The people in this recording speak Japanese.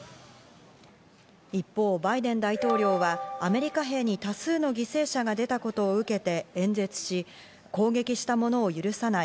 一方、バイデン大統領はアメリカ兵に多数の犠牲者が出たことを受けて演説し、攻撃した者を許さない。